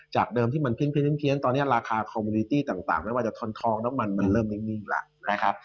จากเดิมที่มันเพียงตอนนี้ราคาคอมมูลิตี้ต่างไม่ว่าจะท้อนท้องแล้วมันเริ่มนิ่งล่ะ